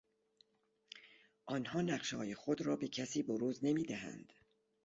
آنها نقشههای خود را به کسی بروز نمیدهند.